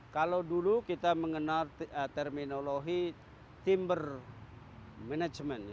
kalau dulu kita mengenal terminologi timber management